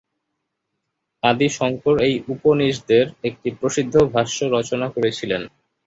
আদি শঙ্কর এই উপনিষদের একটি প্রসিদ্ধ ভাষ্য রচনা করেছিলেন।